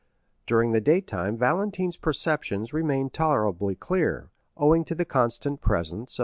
During the daytime Valentine's perceptions remained tolerably clear, owing to the constant presence of M.